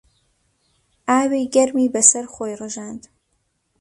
ئاوی گەرمی بەسەر خۆی ڕژاند.